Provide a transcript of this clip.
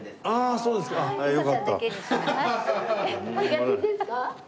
そうですか。